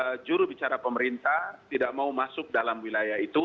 saya atas nama jurubicara pemerintah tidak mau masuk dalam wilayah itu